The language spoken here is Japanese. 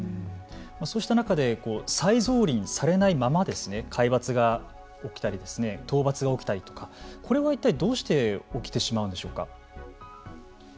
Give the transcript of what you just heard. そうした中で再造林されないまま皆伐が起きたり盗伐が起きたりとかこれはいったい、どうして起きてしまうんでしょうか。